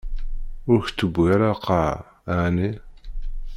Ur k-tewwi ara lqaɛa, ɛni?